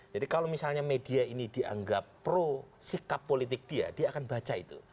jadi kalau misalnya media ini dianggap pro sikap politik dia dia akan baca itu